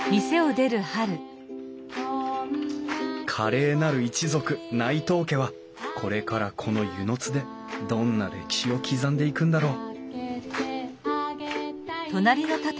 華麗なる一族内藤家はこれからこの温泉津でどんな歴史を刻んでいくんだろう